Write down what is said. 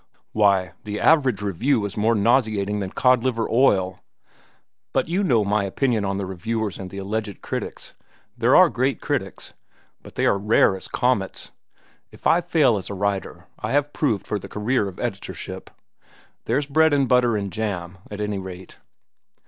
Why, the average review is more nauseating than cod liver oil. But you know my opinion on the reviewers and the alleged critics. There are great critics, but they are as rare as comets. If I fail as a writer, I shall have proved for the career of editorship. There's bread and butter and jam, at any rate."